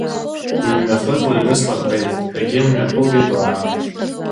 Нымҩахыҵ лыҩны слырбеит, Сагьымҩахылгеит лара.